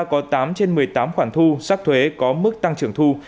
có tám trên một mươi tám khoản thu sắc thuế có mức tăng trưởng thu